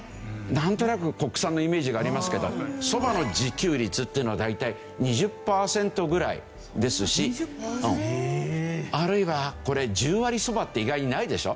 なんとなく国産のイメージがありますけどそばの自給率っていうのは大体２０パーセントぐらいですしあるいはこれ十割そばって意外にないでしょ。